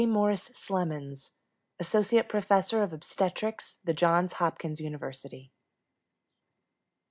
MORRIS SLEMONS Associate Professor of Obstetrics, The Johns Hopkins University.